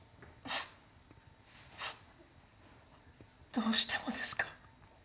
どうしてもですか？